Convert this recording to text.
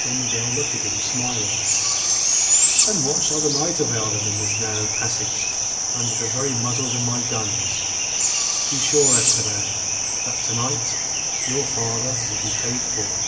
Don Miguel looked at him, smiling. "And what shall the night avail them in this narrow passage, under the very muzzles of my guns? Be sure, Esteban, that to night your father will be paid for."